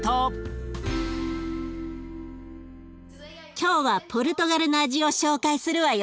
今日はポルトガルの味を紹介するわよ。